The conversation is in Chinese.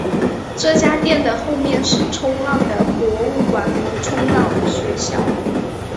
这家店的后面则是冲浪的博物馆和冲浪学校。